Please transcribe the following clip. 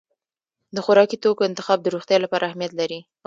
د خوراکي توکو انتخاب د روغتیا لپاره اهمیت لري.